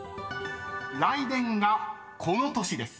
［来年がこの年です］